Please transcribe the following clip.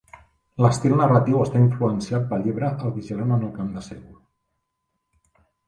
L'estil narratiu està influenciat pel llibre "El vigilant en el camp de sègol".